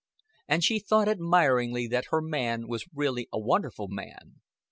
And she thought admiringly that her man was really a very wonderful man.